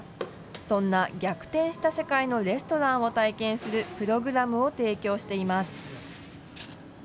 そんな逆転した世界のレストランを体験するプログラムを提供しています。